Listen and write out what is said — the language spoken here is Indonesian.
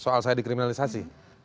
soal saya dikriminalisasi